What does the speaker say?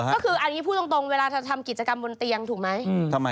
ก็คืออันนี้พูดตรงเวลาจะทำกิจกรรมบนเตียงถูกไหม